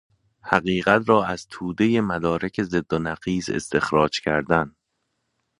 حقیقت را از تودهی مدارک ضد و نقیض استخراج کردن